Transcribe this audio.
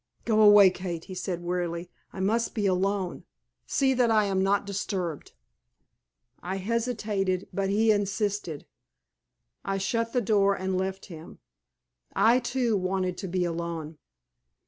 "Go away, Kate," he said, wearily. "I must be alone. See that I am not disturbed." I hesitated, but he insisted. I shut the door and left him. I, too, wanted to be alone.